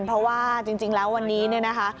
เพราะว่าจริงแล้ววันนี้เนี่ยนะคะ